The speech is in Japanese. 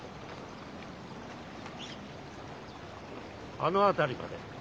あのあたりまで。